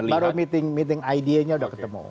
baru meeting meeting ideenya sudah ketemu